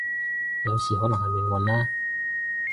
有時可能係命運啦